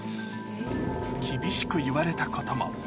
厳しく言われたことも。